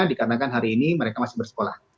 dikarenakan hari ini mereka masih bersekolah